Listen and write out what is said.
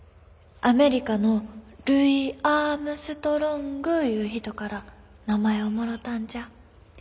アメリカのルイ・アームストロングいう人から名前をもろたんじゃ。